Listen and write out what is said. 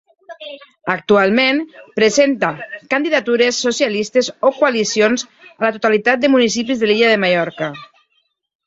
Actualment presenta candidatures socialistes o coalicions a la totalitat de municipis de l'illa de Mallorca.